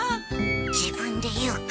自分で言うか。